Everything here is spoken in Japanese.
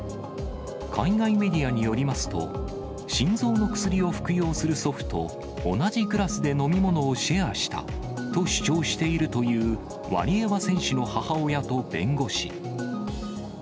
海外メディアによりますと、心臓の薬を服用する祖父と同じグラスで飲み物をシェアしたと主張しているというワリエワ選手の母親と弁護士。